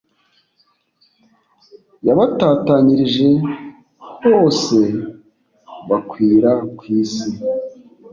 yabatatanyirije hose bakwira ku isi